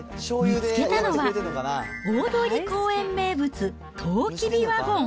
見つけたのは、大通り公園名物、とうきびワゴン。